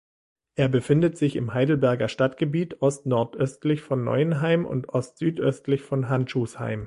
Er befindet sich im Heidelberger Stadtgebiet ostnordöstlich von Neuenheim und ostsüdöstlich von Handschuhsheim.